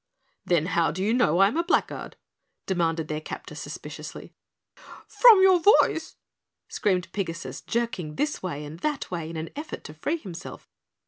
"Then how do you know I am a blackguard?" demanded their captor suspiciously. "From your voice," screamed Pigasus, jerking this way and that way in an effort to free himself.